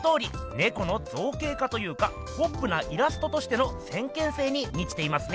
ネコの造形化というかポップなイラストとしての先見性にみちていますね。